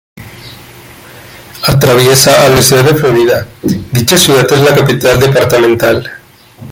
Atraviesa a la ciudad de Florida, dicha ciudad es la capital departamental.